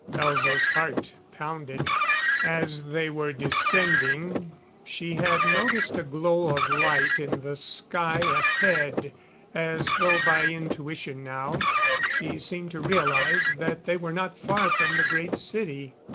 Elza's heart pounded. As they were descending she had noticed a glow of light in the sky ahead. As though by intuition now, she seemed to realize that they were not far from the Great City.